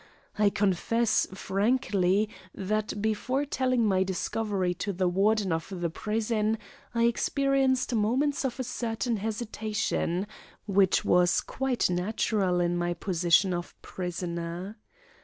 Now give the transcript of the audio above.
I confess frankly that before telling my discovery to the Warden of the prison I experienced moments of a certain hesitation, which was quite natural in my position of prisoner.